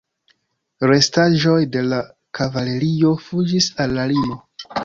Restaĵoj de la kavalerio fuĝis al la limo.